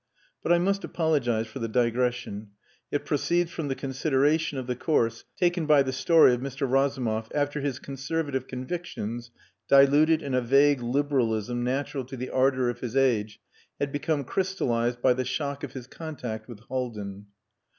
But I must apologize for the digression. It proceeds from the consideration of the course taken by the story of Mr. Razumov after his conservative convictions, diluted in a vague liberalism natural to the ardour of his age, had become crystallized by the shock of his contact with Haldin.